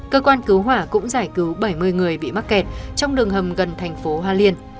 cơ quan cứu hỏa cũng giải cứu bảy mươi người bị mắc kẹt trong đường hầm gần thành phố hoa liên